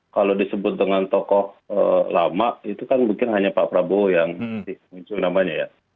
kalau disebut dengan tokoh lama itu kan mungkin hanya pak prabowo yang muncul namanya ya